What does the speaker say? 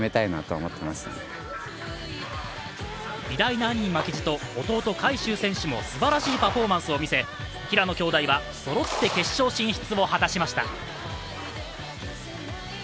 偉大な兄に負けじと、弟・海祝選手もすばらしいパフォーマンスを見せ平野兄弟はそろって決勝進出を果たしました。